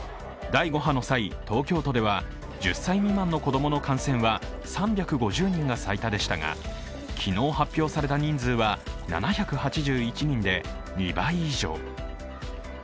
第５波の際、東京都では１０歳未満の子供の感染は３５０人が最多でしたが昨日発表された人数は７８１人で２倍以上。